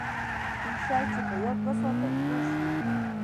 چې کم شی په یاد وساتې پوه شوې!.